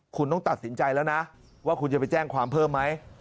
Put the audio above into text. คุณต้องตัดสินใจแล้วนะว่าคุณจะไปแจ้งความเพิ่มไหม